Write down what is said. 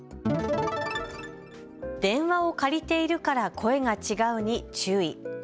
電話を借りているから声が違うに注意。